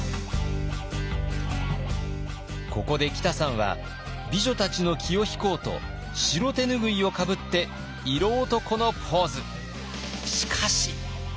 ここできたさんは美女たちの気を引こうと白手拭いをかぶって色男のポーズ。